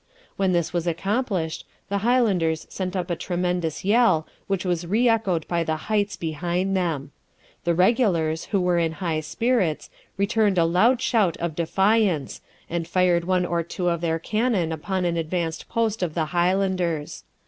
When this was accomplished, the Highlanders set up a tremendous yell, which was re echoed by the heights behind them. The regulars, who were in high spirits, returned a loud shout of defiance, and fired one or two of their cannon upon an advanced post of the Highlanders.